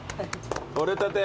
取れたて。